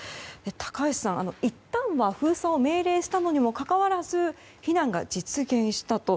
高橋さん、いったんは封鎖を命令したにもかかわらず避難が実現したと。